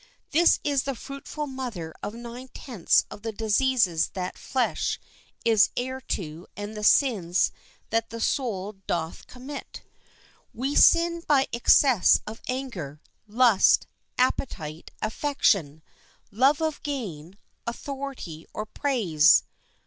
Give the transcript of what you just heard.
This is the fruitful mother of nine tenths of the diseases that flesh is heir to and the sins that the soul doth commit. We sin by excess of anger, lust, appetite, affection, love of gain, authority, or praise.